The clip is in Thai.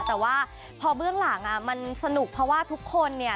แต่ว่าพอเบื้องหลังมันสนุกเพราะว่าทุกคนเนี่ย